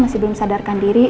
masih belum sadarkan diri